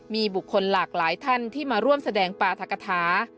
มีบุคคลหลากหลายท่านที่มาร่วมแสดงปราธกฐา